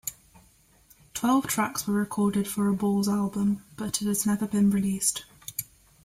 Twelve tracks were recorded for a Balls album, but it has never been released.